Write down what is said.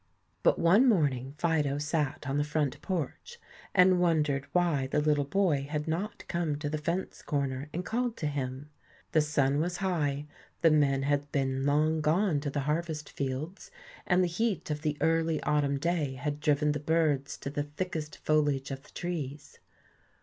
But one morning Fido sat on the front porch and wondered why the little boy had not come to the fence corner and called to him. The sun was high, the men had been long gone to the harvest fields, and the heat of the early autumn day had driven the birds to the thickest foliage of the trees.